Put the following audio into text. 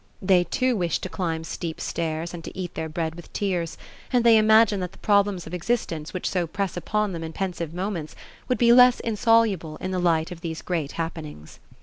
They too wish to climb steep stairs and to eat their bread with tears, and they imagine that the problems of existence which so press upon them in pensive moments would be less insoluble in the light of these great happenings.